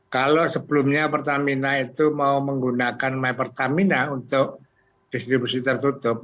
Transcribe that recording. kalau sebelumnya pertamina itu mau menggunakan my pertamina untuk distribusi tertutup